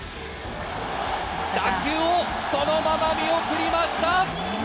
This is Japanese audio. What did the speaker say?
打球をそのまま見送りました！